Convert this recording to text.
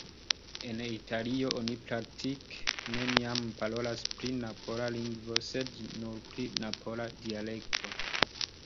En Italio, oni praktike neniam parolas pri napola "lingvo", sed nur pri napola "dialekto".